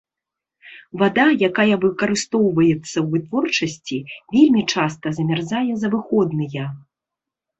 Вада, якая выкарыстоўваецца ў вытворчасці, вельмі часта замярзае за выходныя.